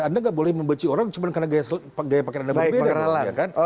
anda nggak boleh membenci orang cuma karena gaya pakaian anda berbeda